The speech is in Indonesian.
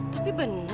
tapi benar alamannya